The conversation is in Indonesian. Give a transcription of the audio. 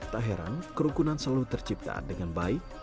tak heran kerukunan selalu terciptaan dengan baik